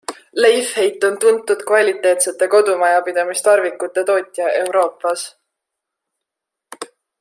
Leifheit on tuntud kvaliteetsete kodumajapidamistarvikute tootja Euroopas.